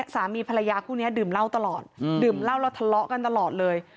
สามีภรรยาคู่นี้ดื่มเหล้าตลอดดื่มเหล้าแล้วทะเลาะกันตลอดเลย